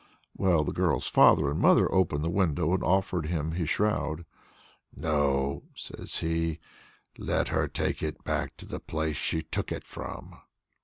Well, the girl's father and mother opened the window and offered him his shroud. "No," says he, "let her take it back to the place she took it from."